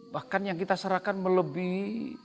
bahkan yang kita serahkan melebihi